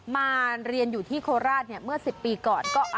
มาเรียนอยู่ที่โคราชเมื่อ๑๐ปีก่อน